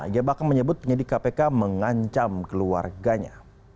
dia bahkan menyebut penyidik kpk mengancam keluarganya